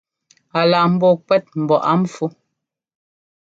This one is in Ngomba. A laa mbɔɔ kuɛ́t mbɔ á npfú.